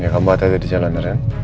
ya kamu hati hati di jalan ren